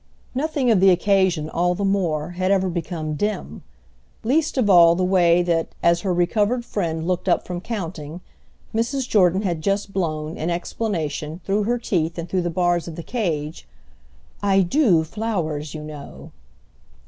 Nothing of the occasion, all the more, had ever become dim; least of all the way that, as her recovered friend looked up from counting, Mrs. Jordan had just blown, in explanation, through her teeth and through the bars of the cage: "I do flowers, you know."